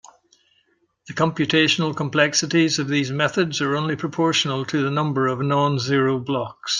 The computational complexities of these methods are only proportional to the number of non-zero blocks.